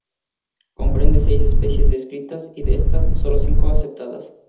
Comprende seis especies descritas y de estas, solo cinco aceptadas.